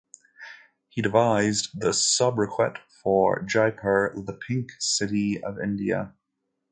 He devised the sobriquet for Jaipur, 'the Pink City of India'.